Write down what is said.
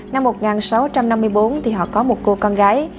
năm một nghìn sáu trăm năm mươi bốn thì họ có một cô con gái